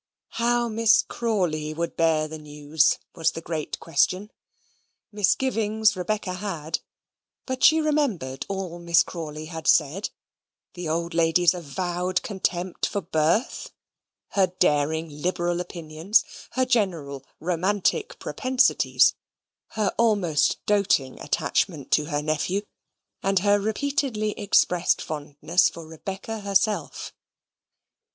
How Miss Crawley would bear the news was the great question. Misgivings Rebecca had; but she remembered all Miss Crawley had said; the old lady's avowed contempt for birth; her daring liberal opinions; her general romantic propensities; her almost doting attachment to her nephew, and her repeatedly expressed fondness for Rebecca herself.